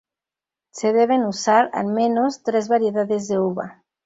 Se deben usar, al menos, tres variedades de uva.